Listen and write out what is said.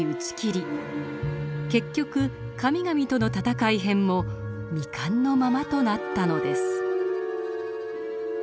結局「神々との闘い編」も未完のままとなったのです。